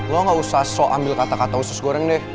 lo gak usah so ambil kata kata usus goreng deh